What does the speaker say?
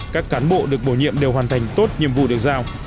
các cán bộ được bổ nhiệm đều hoàn thành tốt nhiệm vụ được giao